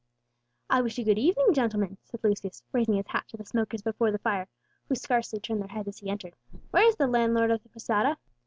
"I wish you good evening, gentlemen," said Lucius, raising his hat to the smokers before the fire, who scarcely turned their heads as he entered. "Where is the landlord of the posada?"